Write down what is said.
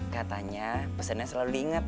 katanya pesannya selalu diingat